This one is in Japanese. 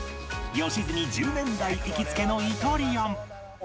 良純１０年来行きつけのイタリアン